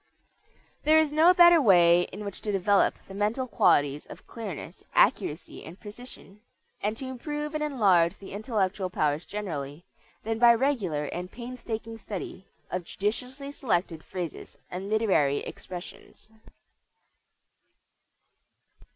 There is no better way in which to develop the mental qualities of clearness, accuracy, and precision, and to improve and enlarge the intellectual powers generally, than by regular and painstaking study of judiciously selected phrases and literary expressions.